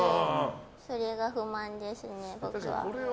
それが不満ですね、僕は。